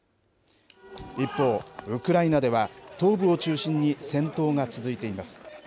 一方、ウクライナでは、東部中心に戦闘が続いています。